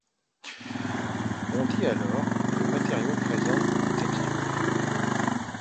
On dit alors, que le matériau présente une texture.